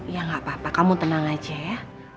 ya gak apa apa kamu tenang aja ya